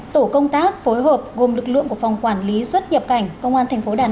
tổ công tác phối hợp gồm lực lượng của phòng quản lý xuất nhập cảnh công an tp đà nẵng